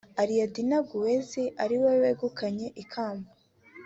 Ariadna Gutierrez ariwe wegukanye ikamba